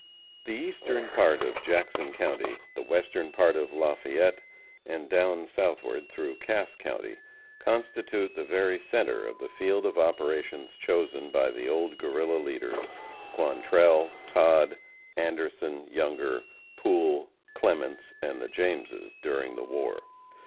The eastern part of Jackson county, the western part of Lafayette, and down southward through Cass county, constitute the very center of the field of operation chosen by the old Guerrilla leaders Quantrell, Todd, Anderson, Younger, Pool, Clements, and the Jameses during the war.